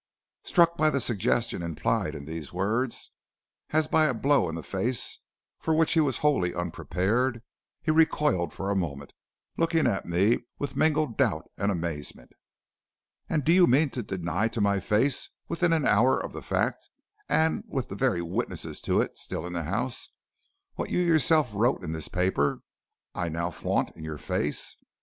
"Struck by the suggestion implied in these words, as by a blow in the face for which he was wholly unprepared, he recoiled for a moment, looking at me with mingled doubt and amazement. "'And do you mean to deny to my face, within an hour of the fact, and with the very witnesses to it still in the house, what you yourself wrote in this paper I now flaunt in your face?